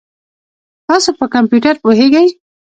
تاسو په کمپیوټر پوهیږئ؟